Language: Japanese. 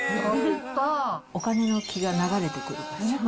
お金の気が流れてくる場所。